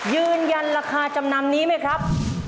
ยืนยันราคาจำนำนี้ไหมครับ